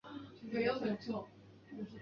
精神科医生亦证实被告患有妄想症。